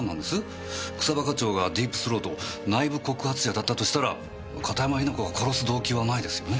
草葉課長がディープ・スロート内部告発者だったとしたら片山雛子が殺す動機はないですよね？